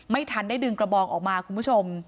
ไม่ทันได้ดึงกระบองออกมาคุณผู้ชม